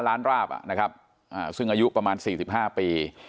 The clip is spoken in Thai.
ร้านราบนะครับอ่าซึ่งอายุประมาณสี่สิบห้าปี